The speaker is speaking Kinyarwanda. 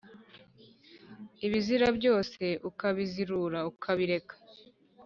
ibizira byose ukabizirura ukabireka